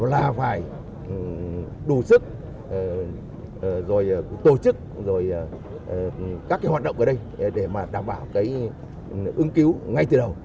là phải đủ sức tổ chức các hoạt động ở đây để đảm bảo ứng cứu ngay từ đầu